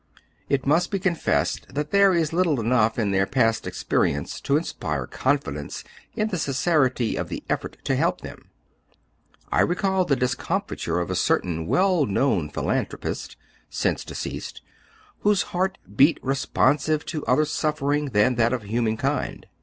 It must be confessed that there is little enough in their past experience to inspire confidence in the sincerity of the effort to help them. I recall the discomfiture of a certain well known philanthropist, since deceased, whose heart beat responsive to other suffering than that of Iiu man kind.